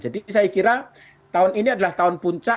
jadi saya kira tahun ini adalah tahun puncak